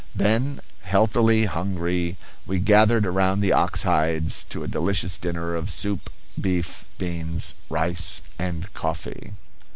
Then, healthily hungry, we gathered around the ox hides to a delicious dinner of soup, beef, beans, rice, and coffee.